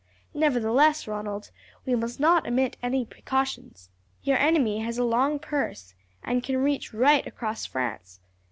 "Nevertheless, Ronald, we must not omit any precautions. Your enemy has a long purse, and can reach right across France.